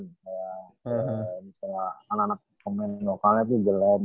kayak misalnya anak anak komen lokalnya tuh gelap